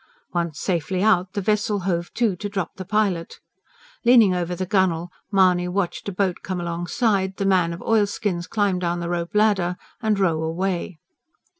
Once safely out, the vessel hove to to drop the pilot. Leaning over the gunwale Mahony watched a boat come alongside, the man of oilskins climb down the rope ladder and row away.